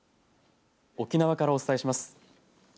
沖縄からお伝えします。